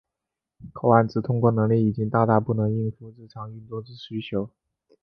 口岸之通关能力已经大大不能应付日常运作之需求。